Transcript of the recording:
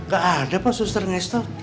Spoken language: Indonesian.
gak ada pak suster ngester